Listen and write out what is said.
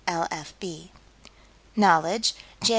L.F.B." Knowledge, Jan.